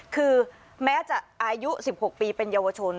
คือแม้จะอายุ๑๖ปีเป็นเยาวชน